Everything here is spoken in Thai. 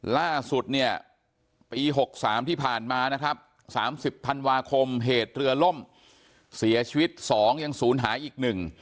ล่าสุดเนี่ยปี๖๓ที่ผ่านมานะครับ๓๐ธันวาคมเหตุเรือล่มเสียชีวิต๒ยังศูนย์หายอีก๑